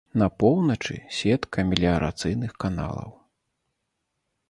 На поўначы сетка меліярацыйных каналаў.